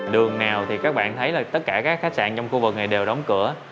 đường nào thì các bạn thấy là tất cả các khách sạn trong khu vực này đều đóng cửa